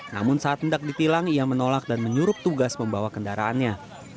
namun saat mendak ditilang ia menolak dan menyurup tugas membawa kendaraannya